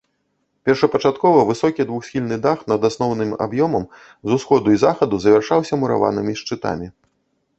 Першапачаткова высокі двухсхільны дах над асноўным аб'ёмам з усходу і захаду завяршаўся мураванымі шчытамі.